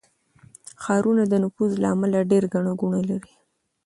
ښارونه د نفوس له امله ډېر ګڼه ګوڼه لري.